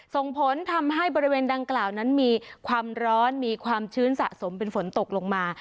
ส่งผลทำให้บริเวณดังกล่าวนั้นมีความร้อนมีความชื้นสะสมเป็นฝนตกลงมา